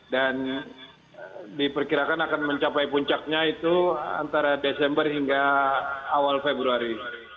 dan diperkirakan akan mencapai puncaknya itu antara desember hingga awal februari